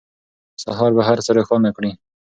سهار به هر څه روښانه کړي.